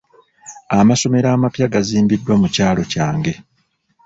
Amasomero amapya gazimbiddwa mu kyalo kyange.